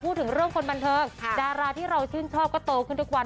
พูดถึงเรื่องคนบันเทิงดาราที่เราชื่นชอบก็โตขึ้นทุกวัน